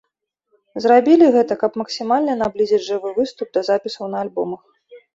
Зрабілі гэта, каб максімальна наблізіць жывы выступ да запісаў на альбомах.